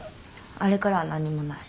あれからはなんにもない。